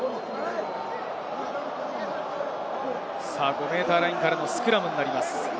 ５ｍラインからのスクラムになります。